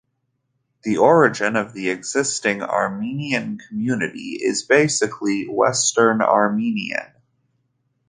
The origin of the existing Armenian community is basically Western Armenian.